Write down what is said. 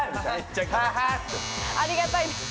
ありがたいですけど。